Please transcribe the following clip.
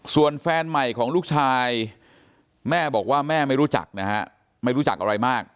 ส่วนแฟนใหม่ของลูกชายแม่บอกว่าแม่ไม่รู้จักนะฮะไม่รู้จักอะไรมาก